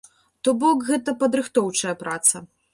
То бок гэта падрыхтоўчая праца.